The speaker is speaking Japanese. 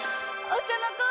お茶の子